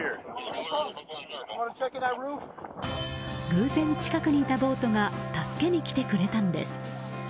偶然、近くにいたボートが助けに来てくれたのです。